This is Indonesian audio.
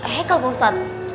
haikal pak ustadz